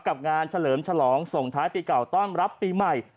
กับงานเฉลิมฉลองส่งท้ายปีเก่าต้อนรับปีใหม่